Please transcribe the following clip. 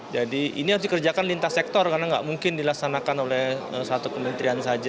jadi ini harus dikerjakan lintas sektor karena tidak mungkin dilaksanakan oleh satu kementerian saja